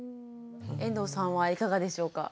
遠藤さんはいかがでしょうか？